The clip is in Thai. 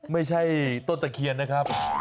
ไม่ใช่ต้นตะเคียนนะครับ